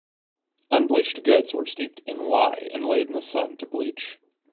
Unbleached goods were steeped in lye and laid in the sun to bleach.